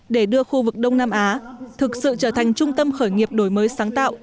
để đưa khu vực đông nam á thực sự trở thành trung tâm khởi nghiệp đổi mới sáng tạo